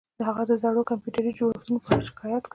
هغه د زړو کمپیوټري جوړښتونو په اړه شکایت کاوه